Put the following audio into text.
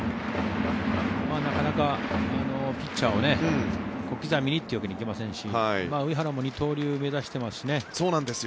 なかなかピッチャーを小刻みにというわけにはいきませんし上原も二刀流を目指してますしね。